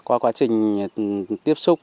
thì qua quá trình tiếp xúc